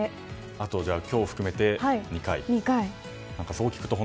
あとは今日含めて２回と。